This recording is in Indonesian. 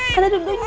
kan ada duduknya itu